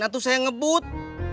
aku tuh saya ngebut